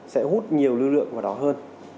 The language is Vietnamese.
sẽ hút nhiều lưu lượng vào đó hơn